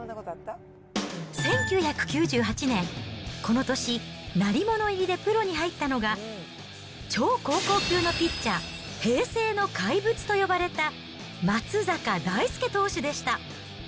１９９８年、この年、鳴り物入りでプロに入ったのが、超高校級のピッチャー、平成の怪物と呼ばれた松坂大輔投手でした。